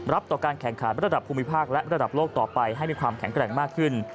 ต่อการแข่งขันระดับภูมิภาคและระดับโลกต่อไปให้มีความแข็งแกร่งมากขึ้น